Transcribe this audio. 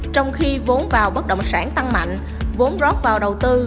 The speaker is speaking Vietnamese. trong khi vốn vào bất động sản tăng mạnh vốn rót vào đầu tư